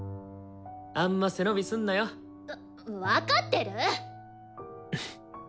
あんま背伸びすんなよ。わ分かってる！